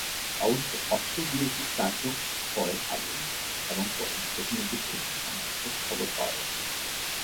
অবশ্য অস্ত্রবিরতি কার্যকরের আগে এবং পরে সেখানে বিক্ষিপ্ত সংঘর্ষের খবর পাওয়া গেছে।